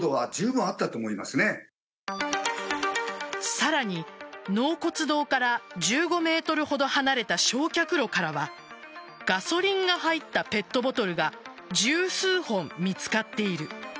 さらに、納骨堂から１５ｍほど離れた焼却炉からはガソリンが入ったペットボトルが十数本見つかっている。